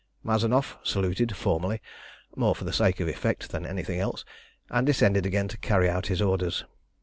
Mazanoff saluted formally, more for the sake of effect than anything else, and descended again to carry out his orders.